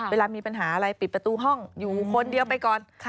เวลามีปัญหาอะไรปิดประตูห้องอยู่คนเดียวไปก่อน